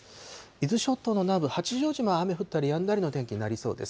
伊豆諸島の南部、八丈島は、雨降ったりやんだりの天気になりそうです。